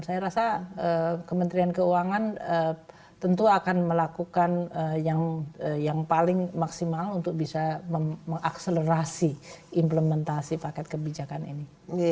saya rasa kementerian keuangan tentu akan melakukan yang paling maksimal untuk bisa mengakselerasi implementasi paket kebijakan ini